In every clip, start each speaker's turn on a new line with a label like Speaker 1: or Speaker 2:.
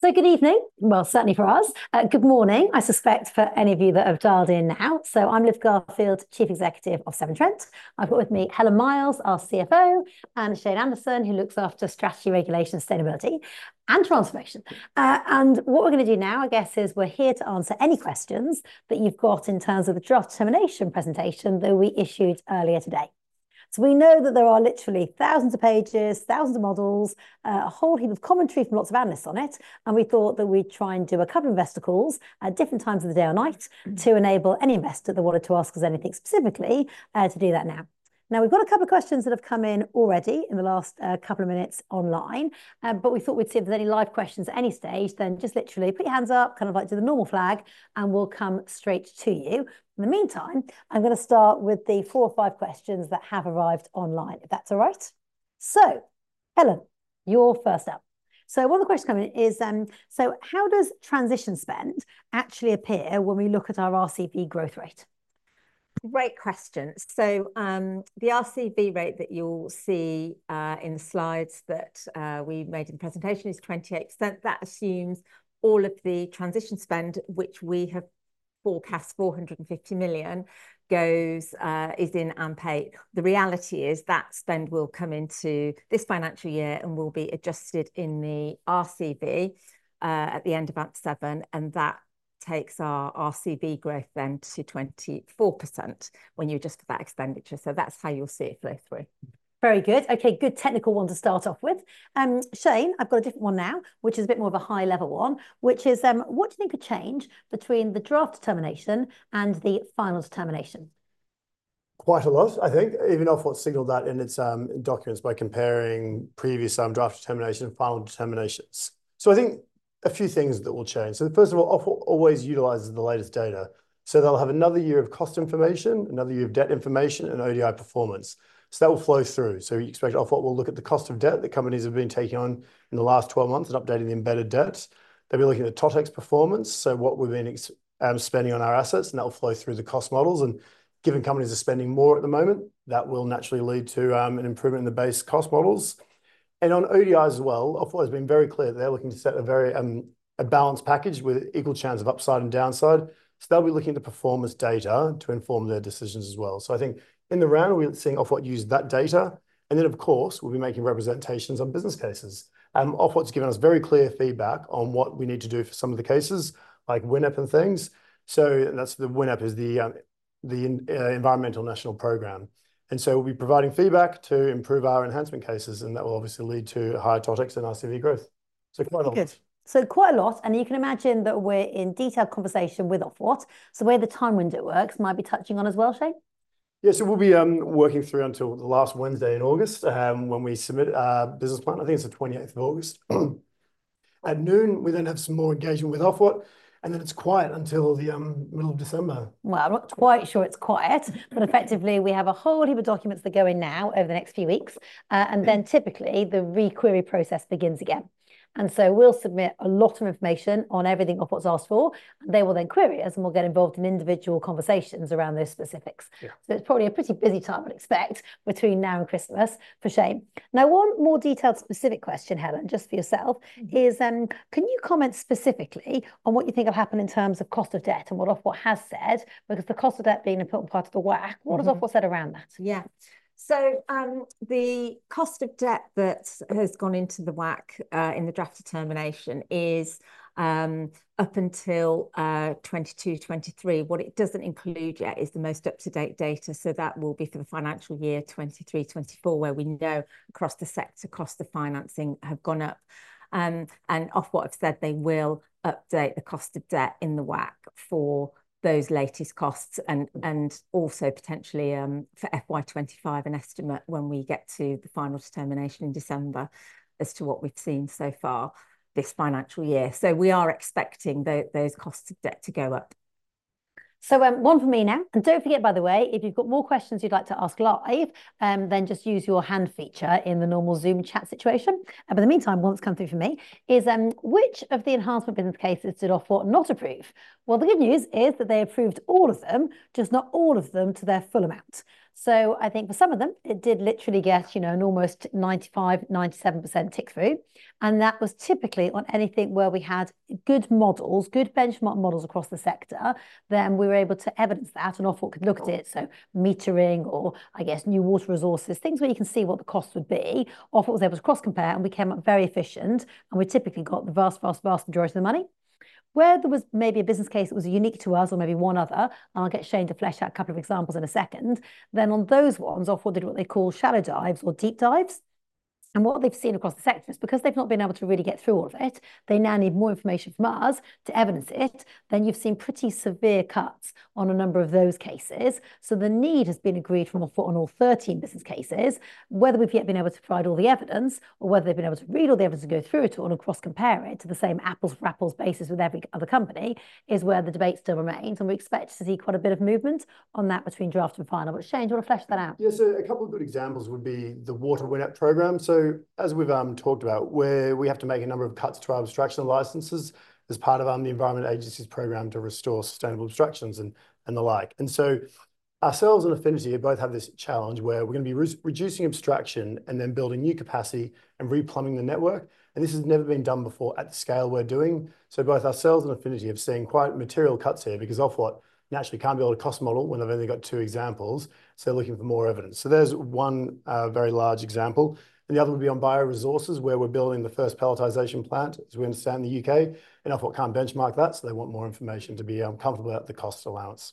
Speaker 1: Good evening, well, certainly for us. Good morning, I suspect, for any of you that have dialed in now. I'm Liv Garfield, Chief Executive of Severn Trent. I've got with me Helen Miles, our CFO, and Shane Anderson, who looks after strategy, regulation, sustainability, and transformation. And what we're gonna do now, I guess, is we're here to answer any questions that you've got in terms of the draft determination presentation that we issued earlier today. We know that there are literally thousands of pages, thousands of models, a whole heap of commentary from lots of analysts on it, and we thought that we'd try and do a couple investor calls at different times of the day or night to enable any investor that wanted to ask us anything specifically, to do that now. Now, we've got a couple of questions that have come in already in the last couple of minutes online, but we thought we'd see if there's any live questions at any stage, then just literally put your hands up, kind of like do the normal flag, and we'll come straight to you. In the meantime, I'm gonna start with the four or five questions that have arrived online, if that's all right? So, Helen, you're first up. So one of the questions coming in is, "So how does transition spend actually appear when we look at our RCV growth rate?
Speaker 2: Great question. So, the RCV rate that you'll see, in the slides that, we made in the presentation is 28%. That assumes all of the transition spend, which we have forecast 450 million, goes, is in AMP8. The reality is that spend will come into this financial year and will be adjusted in the RCV, at the end of AMP7, and that takes our RCV growth then to 24%, when you adjust for that expenditure. So that's how you'll see it flow through.
Speaker 1: Very good. Okay, good technical one to start off with. Shane, I've got a different one now, which is a bit more of a high-level one, which is: "What do you think could change between the draft determination and the final determination?
Speaker 3: Quite a lot, I think, even Ofwat signaled that in its documents by comparing previous draft determination and final determinations. So I think a few things that will change. So first of all, Ofwat always utilizes the latest data. So they'll have another year of cost information, another year of debt information, and ODI performance, so that will flow through. So you expect Ofwat will look at the cost of debt that companies have been taking on in the last 12 months and updating the embedded debt. They'll be looking at the TotEx performance, so what we've been spending on our assets, and that will flow through the cost models. And given companies are spending more at the moment, that will naturally lead to an improvement in the base cost models. And on ODIs as well, Ofwat has been very clear that they're looking to set a very, a balanced package with equal chance of upside and downside. So they'll be looking at the performance data to inform their decisions as well. So I think in the round, we're seeing Ofwat use that data, and then, of course, we'll be making representations on business cases. Ofwat's given us very clear feedback on what we need to do for some of the cases, like WINEP and things. So, and that's the WINEP is the, the environmental national program. And so we'll be providing feedback to improve our enhancement cases, and that will obviously lead to higher TotEx and RCV growth. So quite a lot.
Speaker 1: Good. So quite a lot, and you can imagine that we're in detailed conversation with Ofwat, so where the time window works might be touching on as well, Shane?
Speaker 3: Yes, so we'll be working through until the last Wednesday in August, when we submit our business plan. I think it's the 28th of August at noon. We then have some more engagement with Ofwat, and then it's quiet until the middle of December.
Speaker 1: Well, I'm not quite sure it's quiet.
Speaker 3: Mm.
Speaker 1: But effectively, we have a whole heap of documents that go in now over the next few weeks. And then typically, the re-query process begins again. And so we'll submit a lot of information on everything Ofwat's asked for. They will then query us, and we'll get involved in individual conversations around those specifics.
Speaker 3: Yeah.
Speaker 1: So it's probably a pretty busy time, I'd expect, between now and Christmas for Shane. Now, one more detailed, specific question, Helen, just for yourself, is: "Can you comment specifically on what you think will happen in terms of cost of debt and what Ofwat has said, because the cost of debt being an important part of the WACC? What has Ofwat said around that?
Speaker 2: Yeah. So, the cost of debt that has gone into the WACC in the draft determination is up until 2022, 2023. What it doesn't include yet is the most up-to-date data, so that will be for the financial year 2023, 2024, where we know across the sector costs of financing have gone up. And Ofwat have said they will update the cost of debt in the WACC for those latest costs and also potentially for FY 2025, an estimate when we get to the final determination in December as to what we've seen so far this financial year. So we are expecting those costs of debt to go up.
Speaker 1: So, one for me now, and don't forget, by the way, if you've got more questions you'd like to ask live, then just use your hand feature in the normal Zoom chat situation. But in the meantime, one that's come through for me is: "Which of the enhancement business cases did Ofwat not approve?" Well, the good news is that they approved all of them, just not all of them to their full amount. So I think for some of them, it did literally get, you know, an almost 95%-97% tick-through, and that was typically on anything where we had good models, good benchmark models across the sector. Then we were able to evidence that, and Ofwat could look at it, so metering or, I guess, new water resources, things where you can see what the costs would be. Ofwat was able to cross-compare, and we came up very efficient, and we typically got the vast, vast, vast majority of the money. Where there was maybe a business case that was unique to us or maybe one other, I'll get Shane to flesh out a couple of examples in a second, then on those ones, Ofwat did what they call shallow dives or deep dives. What they've seen across the sector is because they've not been able to really get through all of it, they now need more information from us to evidence it. You've seen pretty severe cuts on a number of those cases. The need has been agreed from Ofwat on all 13 business cases. Whether we've yet been able to provide all the evidence, or whether they've been able to read all the evidence to go through it all and cross-compare it to the same apples for apples basis with every other company, is where the debate still remains, and we expect to see quite a bit of movement on that between draft and final. But Shane, do you want to flesh that out?
Speaker 3: Yeah, so a couple of good examples would be the water WINEP program. So as we've talked about, where we have to make a number of cuts to our abstraction licenses as part of the Environment Agency's program to restore sustainable abstractions and the like. So ourselves and Affinity both have this challenge where we're gonna be reducing abstraction, and then building new capacity, and re-plumbing the network, and this has never been done before at the scale we're doing. So both ourselves and Affinity are seeing quite material cuts here, because Ofwat naturally can't build a cost model when they've only got two examples, so they're looking for more evidence. So there's one very large example, and the other would be on bioresources, where we're building the first pelletization plant, as we understand, in the UK, and Ofwat can't benchmark that, so they want more information to be comfortable at the cost allowance.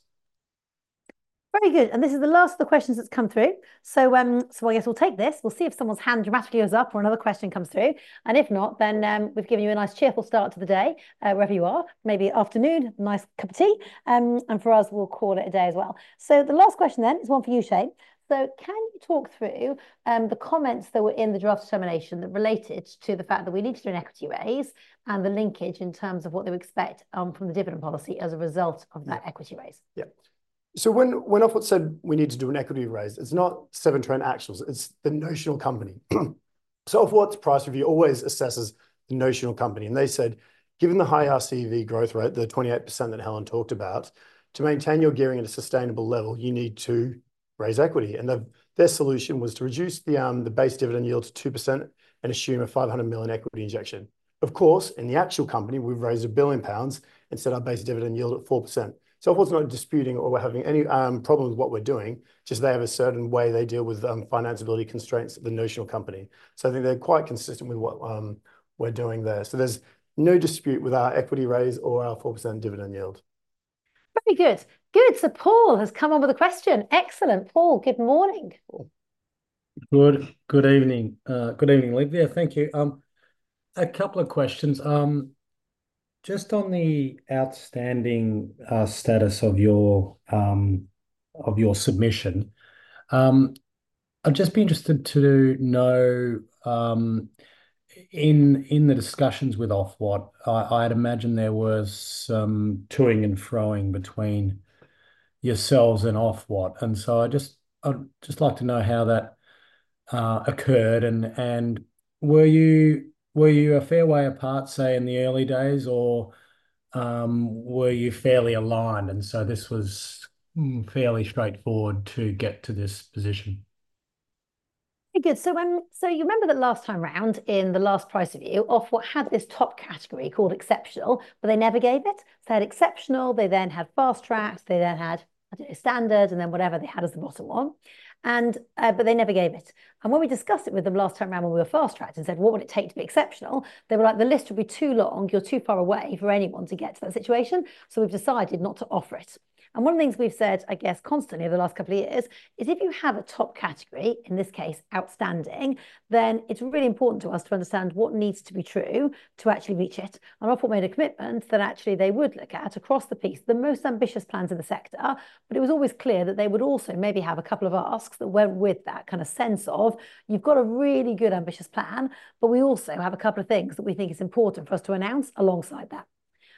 Speaker 1: Very good, and this is the last of the questions that's come through. So, so I guess we'll take this. We'll see if someone's hand dramatically goes up or another question comes through, and if not, then, we've given you a nice, cheerful start to the day, wherever you are. Maybe afternoon, nice cup of tea. And for us, we'll call it a day as well. So the last question, then, is one for you, Shane. So can you talk through, the comments that were in the draft determination that related to the fact that we need to do an equity raise, and the linkage in terms of what they would expect, from the dividend policy as a result of that equity raise?
Speaker 3: Yeah. So when, when Ofwat said we need to do an equity raise, it's not Severn Trent actuals, it's the notional company. So Ofwat's price review always assesses the notional company, and they said, "Given the high RCV growth rate," the 28% that Helen talked about, "to maintain your gearing at a sustainable level, you need to raise equity." And their solution was to reduce the base dividend yield to 2% and assume a 500 million equity injection. Of course, in the actual company, we've raised a 1 billion pounds and set our base dividend yield at 4%. So Ofwat's not disputing or we're having any problems with what we're doing, just they have a certain way they deal with financeability constraints of the notional company. So I think they're quite consistent with what we're doing there. There's no dispute with our equity raise or our 4% dividend yield.
Speaker 1: Very good. Good, so Paul has come up with a question. Excellent, Paul, good morning.
Speaker 4: Good. Good evening, good evening, Liv. Thank you. A couple of questions. Just on the outstanding status of your submission, I'd just be interested to know, in the discussions with Ofwat, I'd imagine there was some to-ing and fro-ing between yourselves and Ofwat, and so I just... I'd just like to know how that occurred, and were you a fair way apart, say, in the early days? Or, were you fairly aligned, and so this was fairly straightforward to get to this position?
Speaker 1: Good. So, so you remember the last time around in the last price review, Ofwat had this top category called Exceptional, but they never gave it. So they had Exceptional, they then had Fast Track, they then had, I don't know, Standard, and then whatever they had as the bottom one, and, but they never gave it. And when we discussed it with them last time around when we were fast tracked and said, "What would it take to be Exceptional?" They were like, "The list would be too long. You're too far away for anyone to get to that situation, so we've decided not to offer it." And one of the things we've said, I guess, constantly over the last couple of years is, if you have a top category, in this case, Outstanding, then it's really important to us to understand what needs to be true to actually reach it. Ofwat made a commitment that actually they would look at, across the piece, the most ambitious plans in the sector, but it was always clear that they would also maybe have a couple of asks that went with that, kind of sense of, "You've got a really good, ambitious plan, but we also have a couple of things that we think is important for us to announce alongside that."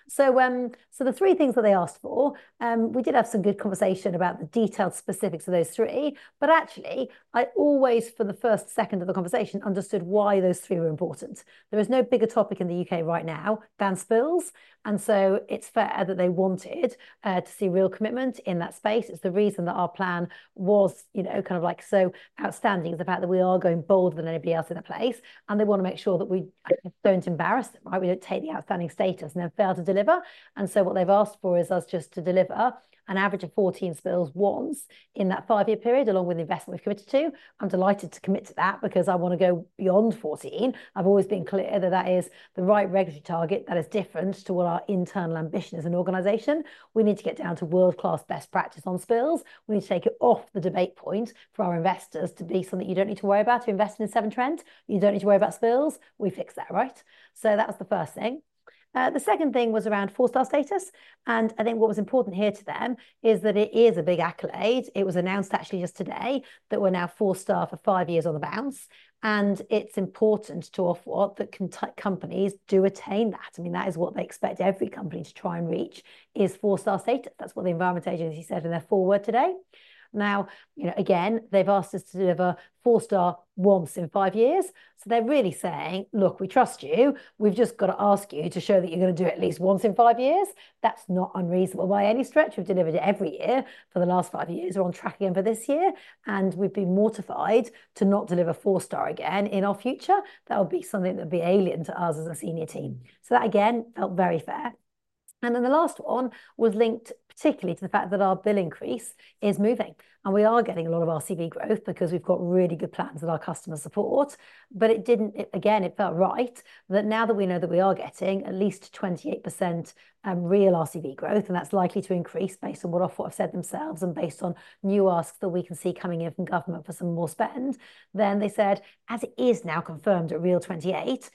Speaker 1: So, so the three things that they asked for, we did have some good conversation about the detailed specifics of those three, but actually I always, from the first, second of the conversation, understood why those three were important. There is no bigger topic in the U.K. right now than spills, and so it's fair that they wanted, to see real commitment in that space. It's the reason that our plan was, you know, kind of like so outstanding, is the fact that we are going bolder than anybody else in the place, and they want to make sure that we don't embarrass them, right? We don't take the Outstanding status and then fail to deliver. And so what they've asked for is us just to deliver an average of 14 spills once in that five-year period, along with the investment we've committed to. I'm delighted to commit to that, because I want to go beyond 14. I've always been clear that that is the right regulatory target that is different to all our internal ambition as an organization. We need to get down to world-class best practice on spills. We need to take it off the debate point for our investors to be something you don't need to worry about. To invest in Severn Trent, you don't need to worry about spills. We fixed that, right? So that was the first thing. The second thing was around four-star status, and I think what was important here to them is that it is a big accolade. It was announced actually just today that we're now four-star for five years on the bounce, and it's important to Ofwat that companies do attain that. I mean, that is what they expect every company to try and reach, is four-star status. That's what the Environment Agency said in their foreword today. Now, you know, again, they've asked us to deliver four-star once in five years, so they're really saying, "Look, we trust you. We've just got to ask you to show that you're gonna do it at least once in five years." That's not unreasonable by any stretch. We've delivered it every year for the last five years. We're on track again for this year, and we'd be mortified to not deliver 4-star again in our future. That would be something that would be alien to us as a senior team. So that, again, felt very fair. And then the last one was linked particularly to the fact that our bill increase is moving, and we are getting a lot of RCV growth because we've got really good plans that our customers support. But it didn't... It, again, it felt right that now that we know that we are getting at least 28%, real RCV growth, and that's likely to increase based on what Ofwat have said themselves, and based on new asks that we can see coming in from government for some more spend, then they said, "As it is now confirmed at real 28%,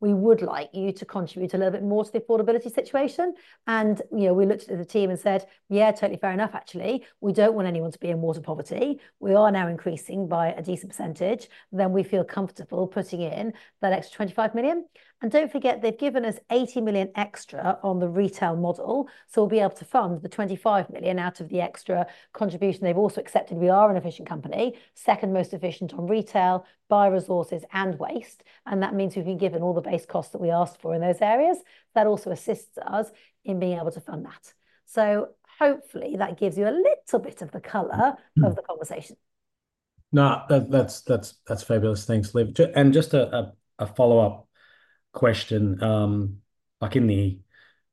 Speaker 1: we would like you to contribute a little bit more to the affordability situation." And, you know, we looked at the team and said, "Yeah, totally fair enough, actually. We don't want anyone to be in water poverty. We are now increasing by a decent percentage, then we feel comfortable putting in that extra 25 million." And don't forget, they've given us 80 million extra on the retail model, so we'll be able to fund the 25 million out of the extra contribution. They've also accepted we are an efficient company, second most efficient on retail, bioresources and waste, and that means we've been given all the base costs that we asked for in those areas. That also assists us in being able to fund that. So hopefully that gives you a little bit of the color of the conversation....
Speaker 4: No, that's fabulous. Thanks, Liv. And just a follow-up question. Like in the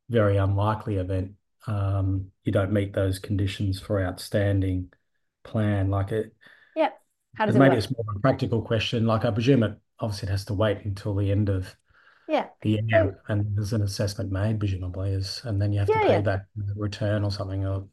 Speaker 4: very unlikely event, you don't meet those conditions for outstanding plan, like a-
Speaker 1: Yep, how does it work?
Speaker 4: Maybe it's more of a practical question. Like, I presume it obviously it has to wait until the end of-
Speaker 1: Yeah...
Speaker 4: the end, and there's an assessment made, presumably is, and then you have to-
Speaker 1: Yeah, yeah...
Speaker 4: pay back the return or something or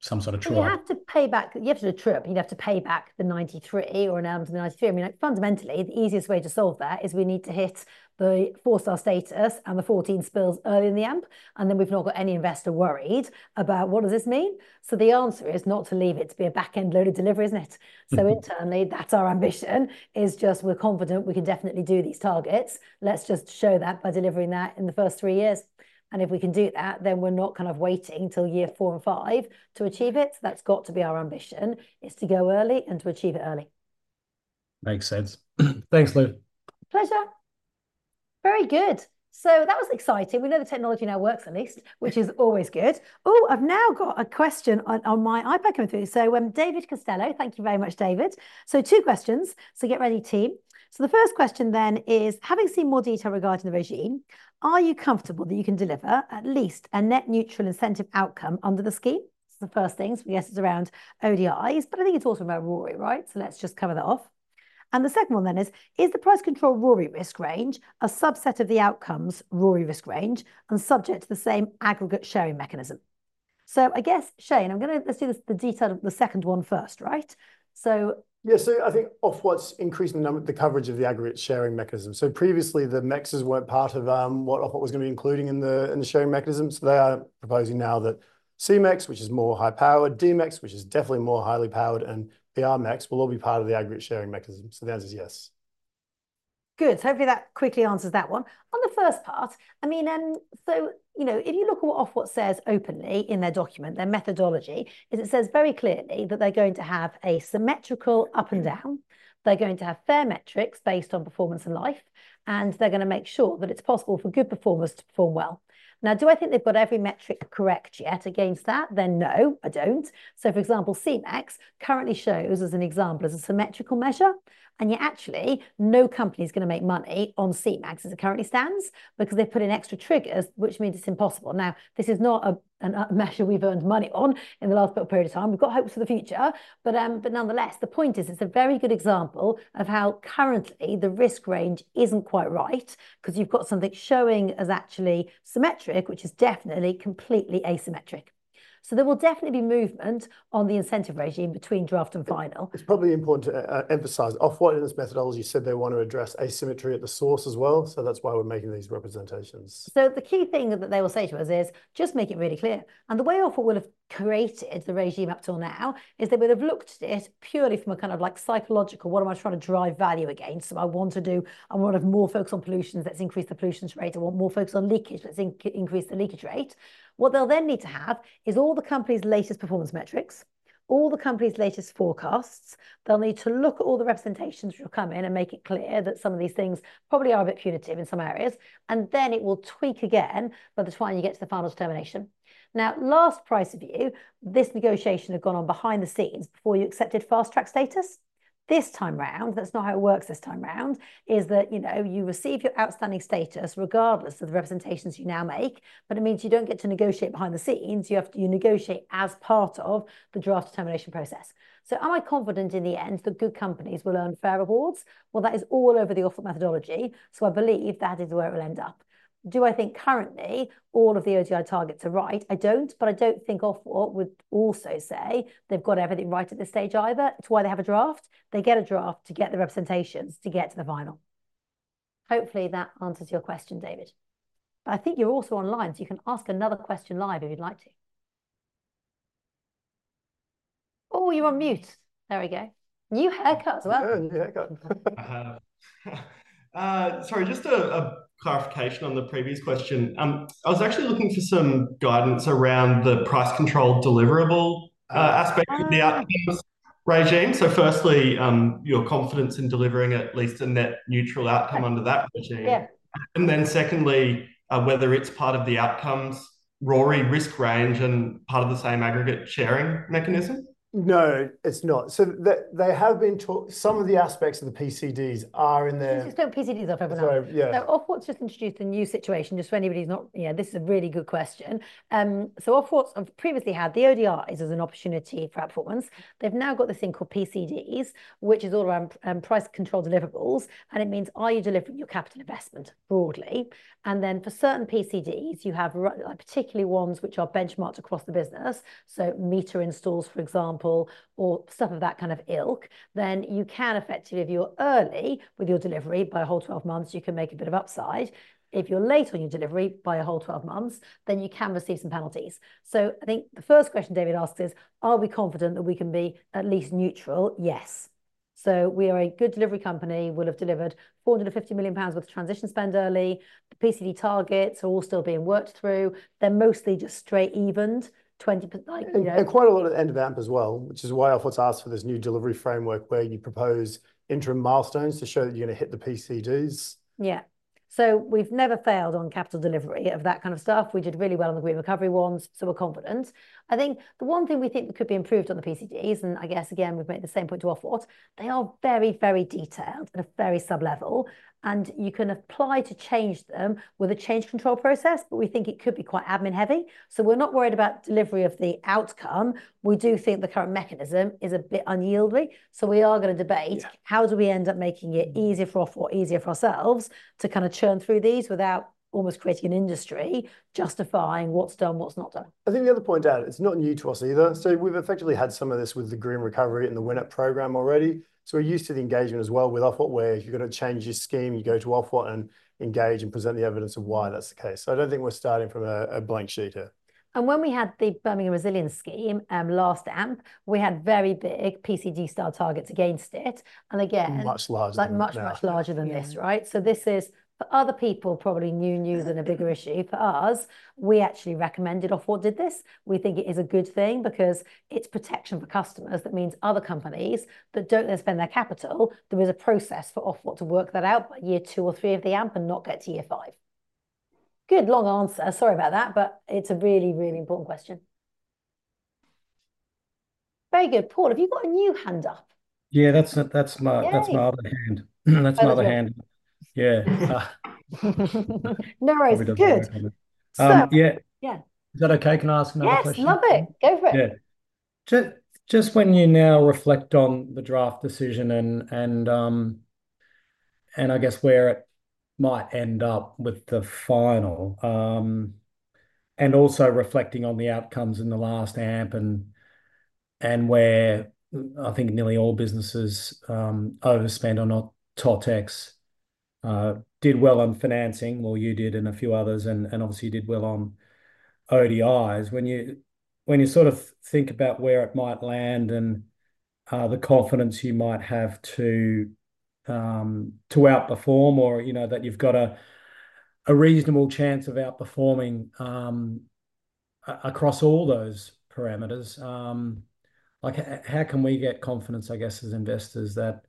Speaker 4: some sort of true-up.
Speaker 1: Well, you have to pay back. You have to do a true-up. You'd have to pay back the 93 or an element of the 93. I mean, like, fundamentally, the easiest way to solve that is we need to hit the four-star status and the 14 spills early in the AMP, and then we've not got any investor worried about what does this mean. So the answer is not to leave it to be a back-end loaded delivery, isn't it?
Speaker 4: Mm-hmm.
Speaker 1: So internally, that's our ambition, is just we're confident we can definitely do these targets. Let's just show that by delivering that in the first three years, and if we can do that, then we're not kind of waiting till year four and five to achieve it. That's got to be our ambition, is to go early and to achieve it early.
Speaker 4: Makes sense. Thanks, Liv.
Speaker 1: Pleasure. Very good. So that was exciting. We know the technology now works at least, which is always good. Oh, I've now got a question on my iPad coming through. So, David Costello, thank you very much, David. So two questions, so get ready, team. So the first question then is: Having seen more detail regarding the regime, are you comfortable that you can deliver at least a net neutral incentive outcome under the scheme? It's the first things. Yes, it's around ODIs, but I think it's also about RoRE, right? So let's just cover that off. And the second one then is: Is the price control RoRE risk range a subset of the outcomes RoRE risk range and subject to the same aggregate sharing mechanism? So I guess, Shane, I'm gonna... Let's do the detail of the second one first, right? So-
Speaker 3: Yeah, so I think Ofwat's increasing the number, the coverage of the aggregate sharing mechanism. So previously, the Mex's weren't part of, what Ofwat was going to be including in the, in the sharing mechanism. So they are proposing now that C-MeX, which is more high-powered, D-MeX, which is definitely more highly powered, and BR-MeX will all be part of the aggregate sharing mechanism. So the answer is yes.
Speaker 1: Good. Hopefully, that quickly answers that one. On the first part, I mean, so you know, if you look at what Ofwat says openly in their document, their methodology, it says very clearly that they're going to have a symmetrical up and down, they're going to have fair metrics based on performance and life, and they're going to make sure that it's possible for good performers to perform well. Now, do I think they've got every metric correct yet against that? Then, no, I don't. So, for example, C-MeX currently shows, as an example, as a symmetrical measure, and yet actually, no company is going to make money on C-MeX as it currently stands because they've put in extra triggers, which means it's impossible. Now, this is not a measure we've earned money on in the last period of time. We've got hopes for the future, but nonetheless, the point is, it's a very good example of how currently the risk range isn't quite right, 'cause you've got something showing as actually symmetric, which is definitely completely asymmetric. So there will definitely be movement on the incentive regime between draft and final.
Speaker 3: It's probably important to emphasize, Ofwat, in its methodology, said they want to address asymmetry at the source as well, so that's why we're making these representations.
Speaker 1: So the key thing that they will say to us is, "Just make it really clear." And the way Ofwat would have created the regime up till now is they would have looked at it purely from a kind of like psychological, what am I trying to drive value against? So I want to do... I want to have more focus on pollution, let's increase the pollution rate. I want more focus on leakage, let's increase the leakage rate. What they'll then need to have is all the company's latest performance metrics, all the company's latest forecasts. They'll need to look at all the representations which will come in and make it clear that some of these things probably are a bit punitive in some areas, and then it will tweak again by the time you get to the final determination. Now, last price review, this negotiation had gone on behind the scenes before you accepted fast-track status. This time round, that's not how it works this time round, you know, you receive your outstanding status regardless of the representations you now make, but it means you don't get to negotiate behind the scenes. You have to. You negotiate as part of the draft determination process. So am I confident in the end that good companies will earn fair rewards? Well, that is all over the Ofwat methodology, so I believe that is where it will end up. Do I think currently all of the ODI targets are right? I don't, but I don't think Ofwat would also say they've got everything right at this stage either. It's why they have a draft. They get a draft to get the representations, to get to the final. Hopefully, that answers your question, David. But I think you're also online, so you can ask another question live if you'd like to. Oh, you're on mute. There we go. New haircut as well.
Speaker 3: Yeah, new haircut.
Speaker 5: I have. Sorry, just a clarification on the previous question. I was actually looking for some guidance around the price control deliverable aspect-
Speaker 1: Oh...
Speaker 5: of the outcomes regime. So firstly, your confidence in delivering at least a net neutral outcome under that regime.
Speaker 1: Yeah.
Speaker 5: And then secondly, whether it's part of the outcomes RoRE risk range and part of the same aggregate sharing mechanism?
Speaker 3: No, it's not. So they have been talking. Some of the aspects of the PCDs are in there.
Speaker 1: Just explain what PCDs are for everyone.
Speaker 3: Sorry, yeah.
Speaker 1: So Ofwat's just introduced a new situation, just for anybody who's not... Yeah, this is a really good question. So Ofwat have previously had the ODIs as an opportunity for outperformance. They've now got this thing called PCDs, which is all around, price control deliverables, and it means are you delivering your capital investment broadly? And then for certain PCDs, you have, like, particularly ones which are benchmarked across the business, so meter installs, for example, or stuff of that kind of ilk, then you can effectively, if you're early with your delivery by a whole 12 months, you can make a bit of upside. If you're late on your delivery by a whole 12 months, then you can receive some penalties. So I think the first question David asked is: Are we confident that we can be at least neutral? Yes. We are a good delivery company, would have delivered 450 million pounds worth of transition spend early. The PCD targets are all still being worked through. They're mostly just straight evened, 20% like, you know-
Speaker 3: Quite a lot at the end of the AMP as well, which is why Ofwat's asked for this new delivery framework where you propose interim milestones to show that you're going to hit the PCDs.
Speaker 1: Yeah. So we've never failed on capital delivery of that kind of stuff. We did really well on the Green Recovery ones, so we're confident. I think the one thing we think could be improved on the PCDs, and I guess again, we've made the same point to Ofwat, they are very, very detailed and very sub-level, and you can apply to change them with a change control process, but we think it could be quite admin-heavy. So we're not worried about delivery of the outcome. We do think the current mechanism is a bit unyielding, so we are gonna debate-
Speaker 3: Yeah...
Speaker 1: how do we end up making it easier for Ofwat, easier for ourselves, to kind of churn through these without almost creating an industry justifying what's done, what's not done?
Speaker 3: I think the other point to add, it's not new to us either. So we've effectively had some of this with the Green Recovery and the WINEP program already, so we're used to the engagement as well with Ofwat, where if you're gonna change your scheme, you go to Ofwat and engage and present the evidence of why that's the case. So I don't think we're starting from a, a blank sheet here.
Speaker 1: When we had the Birmingham Resilience Scheme last AMP, we had very big PCD-style targets against it. And again-
Speaker 3: Much larger than that....
Speaker 1: like much, much larger than this, right?
Speaker 3: Yeah.
Speaker 1: So this is, for other people, probably new news and a bigger issue. For us, we actually recommended Ofwat did this. We think it is a good thing because it's protection for customers. That means other companies that don't then spend their capital, there is a process for Ofwat to work that out by year two or three of the AMP and not get to year five. Good long answer. Sorry about that, but it's a really, really important question. Very good. Paul, have you got a new hand up?
Speaker 4: Yeah, that's, that's my-
Speaker 1: Yay...
Speaker 4: that's my other hand.
Speaker 1: Lovely.
Speaker 4: That's my other hand. Yeah.
Speaker 1: No worries. Good.
Speaker 4: We did... yeah.
Speaker 1: Yeah.
Speaker 4: Is that okay? Can I ask another question?
Speaker 1: Yes, love it. Go for it.
Speaker 4: Yeah. Just, just when you now reflect on the draft decision and, and, and I guess where it might end up with the final, and also reflecting on the outcomes in the last AMP and, and where I think nearly all businesses, overspend on TotEx, did well on financing, or you did and a few others, and, and obviously you did well on ODIs. When you, when you sort of think about where it might land and, the confidence you might have to, to outperform or, you know, that you've got a, a reasonable chance of outperforming, across all those parameters, like, how can we get confidence, I guess, as investors, that,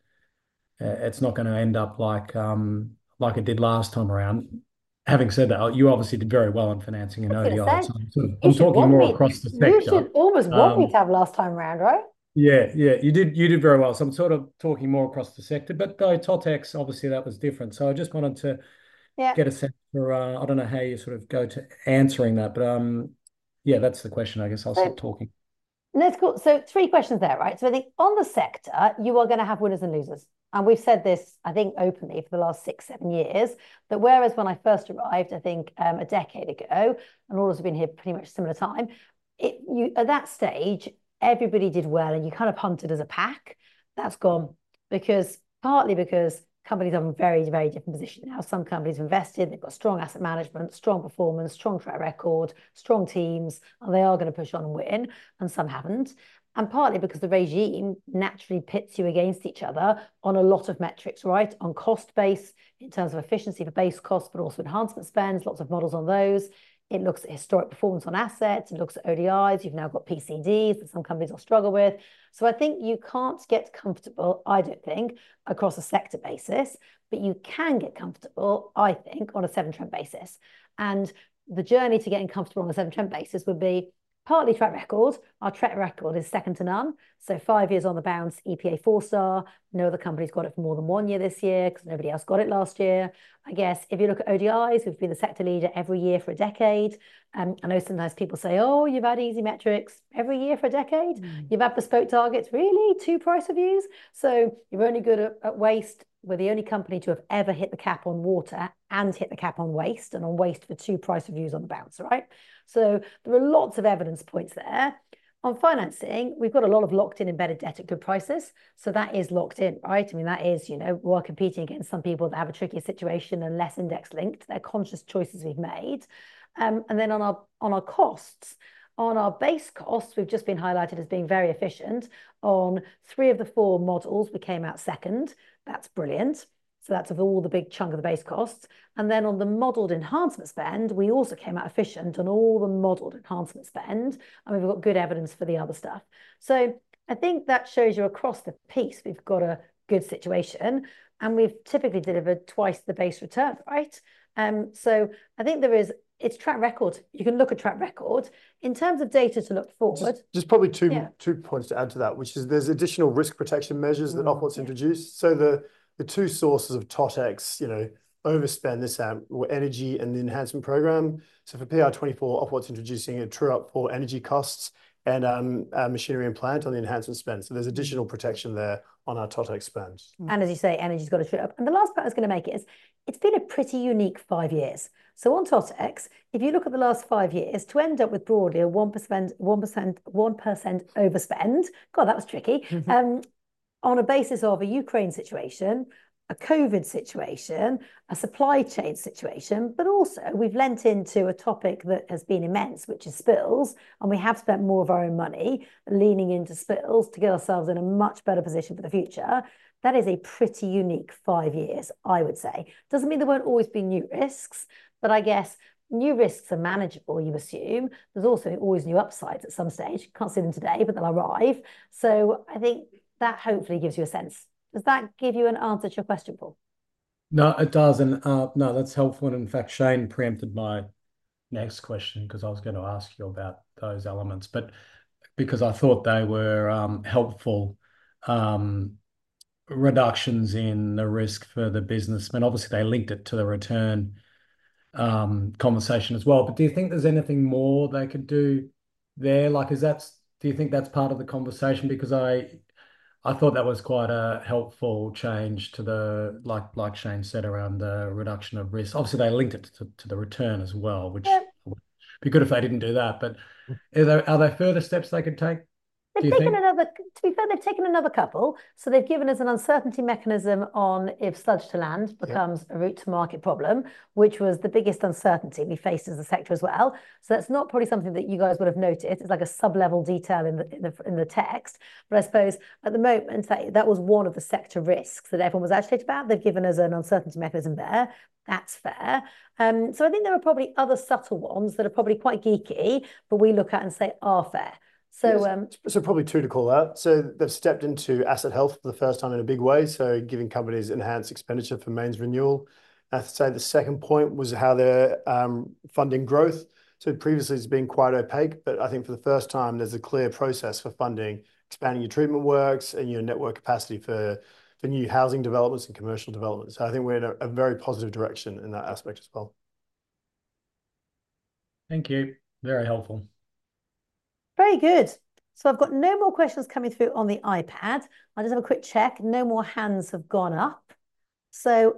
Speaker 4: it's not gonna end up like, like it did last time around? Having said that, you obviously did very well in financing and ODIs-
Speaker 1: I was gonna say-...
Speaker 4: so I'm talking more across the sector.
Speaker 1: You should almost want me to have last time around, right?
Speaker 4: Yeah, yeah. You did, you did very well, so I'm sort of talking more across the sector, but the TotEx, obviously that was different. So I just wanted to-
Speaker 1: Yeah...
Speaker 4: get a sense for, I don't know how you sort of go to answering that, but, yeah, that's the question. I guess I'll stop talking.
Speaker 1: So three questions there, right? So I think on the sector, you are gonna have winners and losers, and we've said this, I think, openly for the last six, seven years. That whereas when I first arrived, I think, a decade ago, and Laura's been here pretty much a similar time, at that stage, everybody did well, and you kind of hunted as a pack. That's gone because, partly because companies are in a very, very different position now. Some companies have invested, they've got strong asset management, strong performance, strong track record, strong teams, and they are gonna push on and win, and some haven't, and partly because the regime naturally pits you against each other on a lot of metrics, right? On cost base, in terms of efficiency of base cost, but also enhancement spends, lots of models on those. It looks at historic performance on assets. It looks at ODIs. You've now got PCDs that some companies will struggle with. So I think you can't get comfortable, I don't think, across a sector basis, but you can get comfortable, I think, on a Severn Trent basis. And the journey to getting comfortable on a Severn Trent basis would be partly track record. Our track record is second to none, so five years on the bounce, EPA four star. No other company's got it for more than 1 year this year, 'cause nobody else got it last year. I guess if you look at ODIs, we've been the sector leader every year for a decade. I know sometimes people say, "Oh, you've had easy metrics." Every year for a decade? "You've had bespoke targets." Really, two price reviews? So you're only good at waste." We're the only company to have ever hit the cap on water and hit the cap on waste, and on waste for two price reviews on the bounce, right? So there are lots of evidence points there. On financing, we've got a lot of locked-in embedded debt at good prices. So that is locked in, right? I mean, that is, you know, we're competing against some people that have a trickier situation and less index linked. They're conscious choices we've made. And then on our, on our costs, on our base costs, we've just been highlighted as being very efficient. On three of the four models, we came out second. That's brilliant. So that's of all the big chunk of the base costs. And then on the modeled enhancement spend, we also came out efficient on all the modeled enhancement spend, and we've got good evidence for the other stuff. So I think that shows you across the piece, we've got a good situation, and we've typically delivered twice the base return, right? So I think there is... It's track record. You can look at track record. In terms of data to look forward-
Speaker 3: Just, just probably two-
Speaker 1: Yeah...
Speaker 3: two points to add to that, which is there's additional risk protection measures that Ofwat's introduced.
Speaker 1: Mm, yeah.
Speaker 3: So the two sources of TotEx, you know, overspend this AMP were energy and the enhancement program. So for PR24, Ofwat's introducing a true-up for energy costs and machinery and plant on the enhancement spend.
Speaker 1: Mm.
Speaker 3: So there's additional protection there on our TotEx spend.
Speaker 1: And as you say, energy's got to true up. And the last point I was gonna make is it's been a pretty unique five years. So on TotEx, if you look at the last five years, to end up with broadly a 1%, 1%, 1% overspend... God, that was tricky.
Speaker 3: Mm-hmm.
Speaker 1: On a basis of a Ukraine situation, a COVID situation, a supply chain situation, but also we've lent into a topic that has been immense, which is spills, and we have spent more of our own money leaning into spills to get ourselves in a much better position for the future. That is a pretty unique five years, I would say. Doesn't mean there won't always be new risks, but I guess new risks are manageable, you assume. There's also always new upsides at some stage. You can't see them today, but they'll arrive. So I think that hopefully gives you a sense. Does that give you an answer to your question, Paul?...
Speaker 4: No, it does, and, no, that's helpful, and in fact, Shane preempted my next question, 'cause I was gonna ask you about those elements. But because I thought they were helpful reductions in the risk for the business, and obviously they linked it to the return conversation as well. But do you think there's anything more they could do there? Like, do you think that's part of the conversation? Because I thought that was quite a helpful change to the, like, like Shane said, around the reduction of risk. Obviously, they linked it to the return as well, which-
Speaker 1: Yeah...
Speaker 4: would be good if they didn't do that. But are there, are there further steps they could take, do you think?
Speaker 1: They've taken another... To be fair, they've taken another couple. So they've given us an uncertainty mechanism on if sludge to land-
Speaker 4: Yeah...
Speaker 1: becomes a route to market problem, which was the biggest uncertainty we faced as a sector as well. So that's not probably something that you guys would've noted. It's like a sub-level detail in the text, but I suppose at the moment, that was one of the sector risks that everyone was agitated about. They've given us an uncertainty mechanism there. That's fair. So I think there are probably other subtle ones that are probably quite geeky, but we look at and say are fair. So,
Speaker 3: Yes. So probably two to call out. So they've stepped into asset health for the first time in a big way, so giving companies enhanced expenditure for mains renewal. I'd say the second point was how they're funding growth. So previously it's been quite opaque, but I think for the first time there's a clear process for funding, expanding your treatment works and your network capacity for new housing developments and commercial developments. So I think we're in a very positive direction in that aspect as well.
Speaker 4: Thank you. Very helpful.
Speaker 1: Very good. So I've got no more questions coming through on the iPad. I'll just have a quick check. No more hands have gone up. So...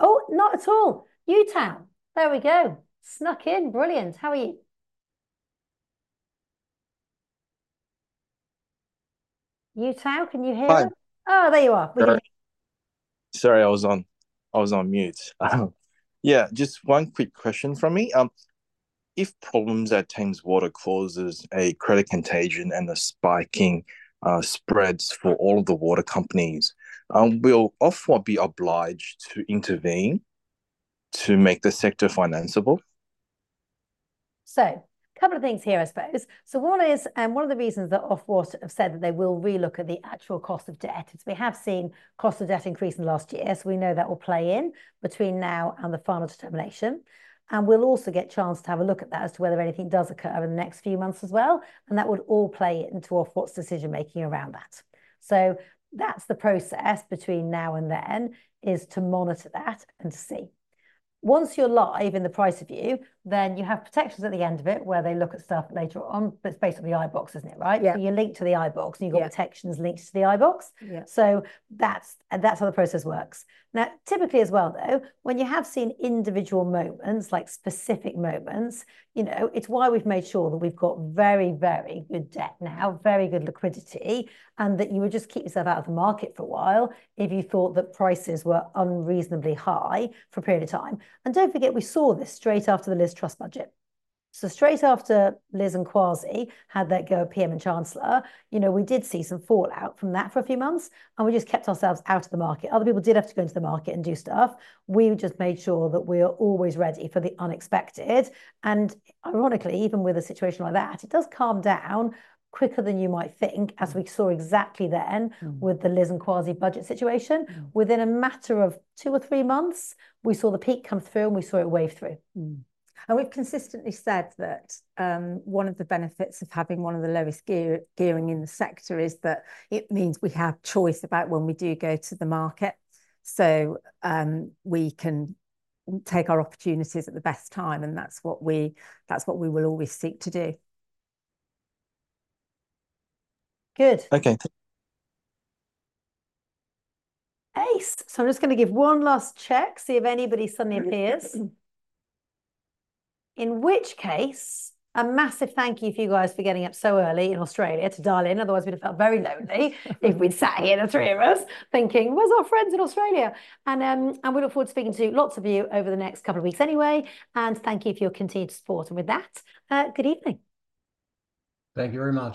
Speaker 1: Oh, not at all. Yu Tao. There we go. Snuck in. Brilliant. How are you? Yu Tao, can you hear me?
Speaker 6: Hi.
Speaker 1: Oh, there you are. We good.
Speaker 6: Sorry, I was on, I was on mute. Yeah, just one quick question from me. If problems at Thames Water causes a credit contagion and the spiking spreads for all of the water companies, will Ofwat be obliged to intervene to make the sector financeable?
Speaker 1: So couple of things here, I suppose. So one is, and one of the reasons that Ofwat have said that they will re-look at the actual cost of debt, is we have seen cost of debt increase in the last year. So we know that will play in between now and the final determination, and we'll also get a chance to have a look at that as to whether anything does occur over the next few months as well, and that would all play into Ofwat's decision-making around that. So that's the process between now and then, is to monitor that and to see. Once you're live in the price review, then you have protections at the end of it where they look at stuff later on, but it's basically the iBoxx, isn't it, right?
Speaker 7: Yeah.
Speaker 1: So you're linked to the iBoxx-
Speaker 6: Yeah...
Speaker 1: and you've got protections linked to the iBoxx.
Speaker 6: Yeah.
Speaker 1: So that's, that's how the process works. Now, typically as well, though, when you have seen individual moments, like specific moments, you know, it's why we've made sure that we've got very, very good debt now, very good liquidity, and that you would just keep yourself out of the market for a while if you thought that prices were unreasonably high for a period of time. And don't forget, we saw this straight after the Liz Truss budget. So straight after Liz and Kwasi had their go at PM and Chancellor, you know, we did see some fallout from that for a few months, and we just kept ourselves out of the market. Other people did have to go into the market and do stuff. We just made sure that we are always ready for the unexpected. Ironically, even with a situation like that, it does calm down quicker than you might think, as we saw exactly then.
Speaker 7: Mm...
Speaker 1: with the Liz and Kwasi budget situation.
Speaker 7: Mm.
Speaker 1: Within a matter of two or three months, we saw the peak come through, and we saw it wave through.
Speaker 7: Mm. We've consistently said that, one of the benefits of having one of the lowest gearing in the sector is that it means we have choice about when we do go to the market. So, we can take our opportunities at the best time, and that's what we will always seek to do.
Speaker 1: Good.
Speaker 6: Okay, thank-
Speaker 1: Ace! So I'm just gonna give one last check, see if anybody suddenly appears. In which case, a massive thank you for you guys for getting up so early in Australia to dial in. Otherwise, we'd have felt very lonely if we'd sat here, the three of us, thinking, "Where's our friends in Australia?" And we look forward to speaking to lots of you over the next couple of weeks anyway, and thank you for your continued support. And with that, good evening.
Speaker 4: Thank you very much.